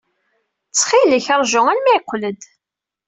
Ttxil-k, ṛju arma yeqqel-d.